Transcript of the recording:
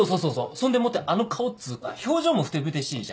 そんでもってあの顔っつうか表情もふてぶてしいじゃん？